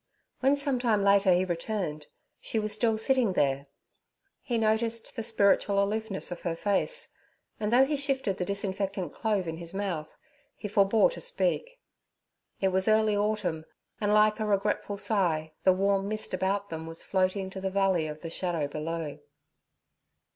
When some time later he returned, she was still sitting there. He noticed the spiritual aloofness of her face, and though he shifted the disinfecting clove in his mouth, he forebore to speak. It was early autumn, and like a regretful sigh, the warm mist about them was floating to the valley of the shadow below.